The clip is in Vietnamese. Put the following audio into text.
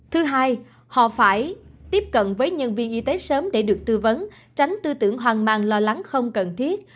thứ hai họ phải tiếp cận với nhân viên y tế sớm để được tư vấn tránh tư tưởng hoang mang lo lắng không cần thiết